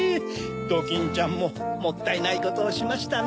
ドキンちゃんももったいないことをしましたね。